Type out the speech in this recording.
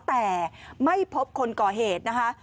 แต่ไม่พบคนก่อเหตุนะคะ